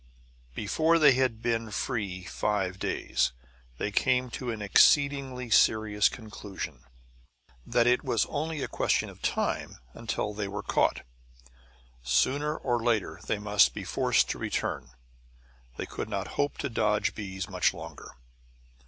Before they had been free five days they came to an exceedingly serious conclusion: that it was only a question of time until they were caught. Sooner or later they must be forced to return; they could not hope to dodge bees much longer.